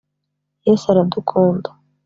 Yesu aradukunda.